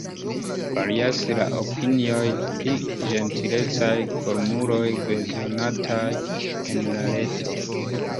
Varias la opinioj pri ĝentilecaj formuloj bezonataj en la reto.